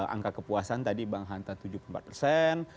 angka kepuasan tadi bang hanta tujuh puluh empat persen